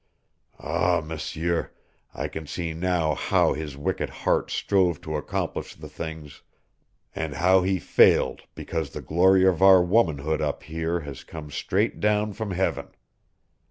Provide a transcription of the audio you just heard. Ah, M'seur, I can see now how his wicked heart strove to accomplish the things, and how he failed because the glory of our womanhood up here has come straight down from Heaven.